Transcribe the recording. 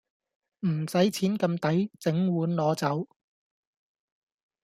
唔使錢咁抵，整碗攞走